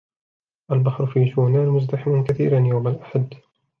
البحر في شونان مزدحم كثيراً يوم الأحد.